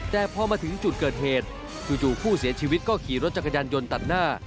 แต่พอมาถึงจุดเกิดเหตุจู่ผู้เสียชีวิตก็ขี่รถจักรยานยนต์ตัดหน้า